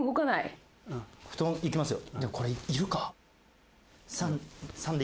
布団、いきますよ